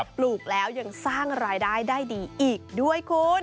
ปลูกแล้วยังสร้างรายได้ได้ดีอีกด้วยคุณ